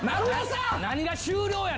何が終了や。